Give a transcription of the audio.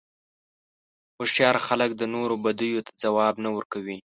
هوښیار خلک د نورو بدیو ته ځواب نه ورکوي.